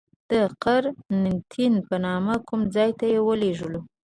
د قرنتین په نامه کوم ځای ته یې ولیږلو.